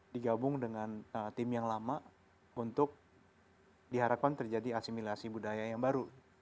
digabung dengan tim yang lama untuk diharapkan terjadi asimilasi budaya yang baru